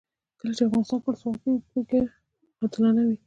کله چې افغانستان کې ولسواکي وي پرېکړې عادلانه وي.